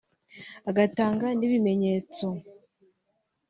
agatanga n’ibimenyetso